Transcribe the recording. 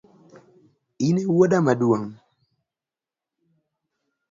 In ewuoda maduong’?